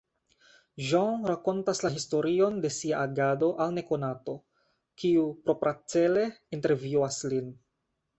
Jean rakontas la historion de sia agado al nekonato, kiu propracele intervjuas lin.